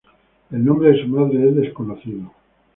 El nombre de su madre es desconocido.